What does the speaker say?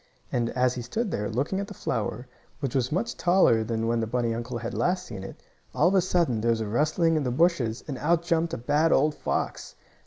And, as he stood there, looking at the flower, which was much taller than when the bunny uncle had last seen it, all of a sudden there was a rustling in the bushes, and out jumped a bad old fox.